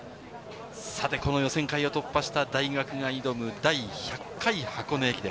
この予選会を突破した大学が挑む、第１００回箱根駅伝。